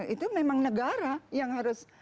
itu memang negara yang harus